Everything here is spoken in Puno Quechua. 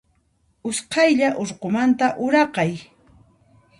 Usqaylla urqumanta uraqay.